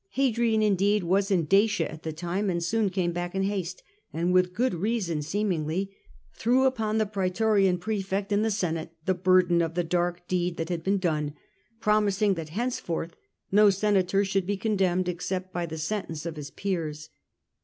Hadrian indeed was in Dacia at the time, and soon came back in haste, and with good reason, seem ingly, threw upon the praetorian praefect and the Senate the burden of the dark deed that had been done, promising that henceforth no senator should be condemned except by the sentence of his peers.